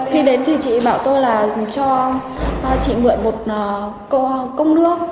khi đến thì chị bảo tôi là cho chị mượn một công nước